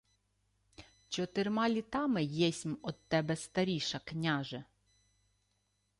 — Чотирма літами єсмь од тебе старіша, княже.